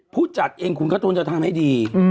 ผู้จัดเองคุณก็ต้องจะทำให้ดี